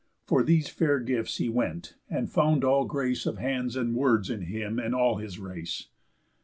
For these fair gifts he went, and found all grace Of hands and words in him and all his race.